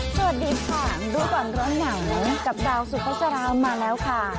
สวัสดีค่ะรู้ก่อนร้อนหนาวกับดาวสุภาษามาแล้วค่ะ